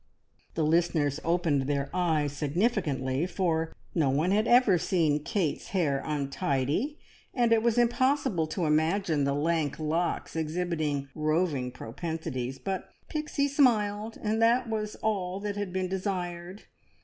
The listeners opened their eyes significantly, for no one had ever seen Kate's hair untidy, and it was impossible to imagine the lank locks exhibiting roving propensities; but Pixie smiled, and that was all that had been desired.